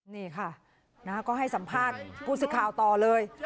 นี่ค่ะก็ให้สัมภาษณ์ผู้สื่อข่าวต่อเลย